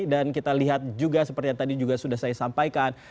dan kita lihat juga seperti yang tadi juga sudah saya sampaikan